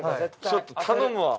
ちょっと頼むわ。